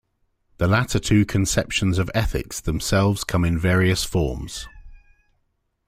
The latter two conceptions of ethics themselves come in various forms.